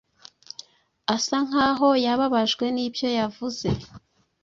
Asa nkaho yababajwe nibyo yavuze.